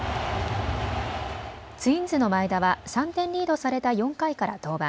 ツインズの前田は３点リードされた４回から登板。